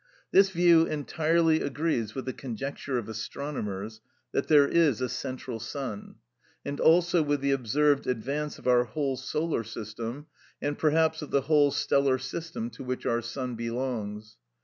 This view entirely agrees with the conjecture of astronomers that there is a central sun, and also with the observed advance of our whole solar system, and perhaps of the whole stellar system to which our sun belongs.